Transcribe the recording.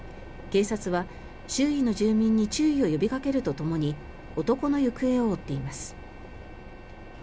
警察は周囲の住民に注意を呼びかけるとともに男の行方を追っています。